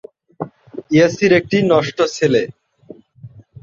চে বিশ্বাস করতে পারেন নি এই খবর।